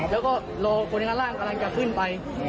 แล้วก็รอคนข้างล่างกำลังจะขึ้นไป